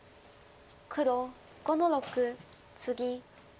黒５の六ツギ。